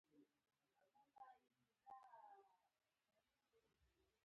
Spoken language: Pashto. له ټولنیز او سیاسي اړخه هم په هېواد کې ژور بدلونونه رامنځته شول.